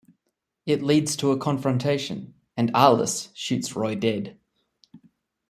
It leads to a confrontation, and Arlis shoots Roy dead.